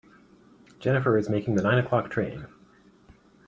Jennifer is making the nine o'clock train.